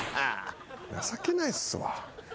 情けないっすわ。